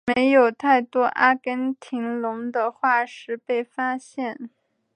没有太多阿根廷龙的化石被发现。